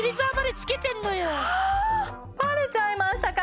あバレちゃいましたか？